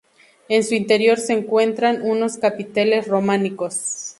En su interior se encuentran unos capiteles románicos.